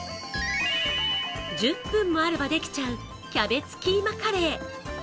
１０分もあればできちゃうキャベツキーマカレー。